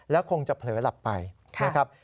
แล้วคงจะเผลอหลับไปนะครับ